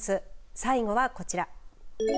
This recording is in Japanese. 最後はこちら。